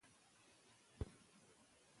د ناول کیسه په اصفهان کې پیلېږي.